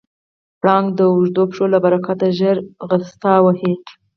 پړانګ د اوږدو پښو له برکته ژر منډه وهي.